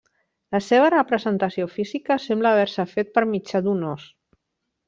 La seva representació física sembla haver-se fet per mitjà d'un ós.